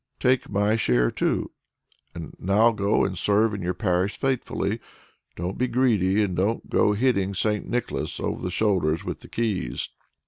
"Take my share too. And now go and serve in your parish faithfully; don't be greedy, and don't go hitting Nicholas over the shoulders with the keys."